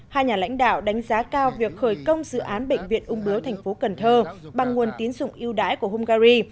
hai nhà lãnh đạo đánh giá cao việc khởi công dự án bệnh viện ung bướu thành phố cần thơ bằng nguồn tín dụng yêu đáy của hungary